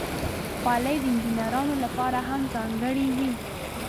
خولۍ د انجینرانو لپاره هم ځانګړې وي.